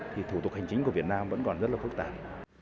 thì thủ tục hành chính của việt nam vẫn còn rất là phức tạp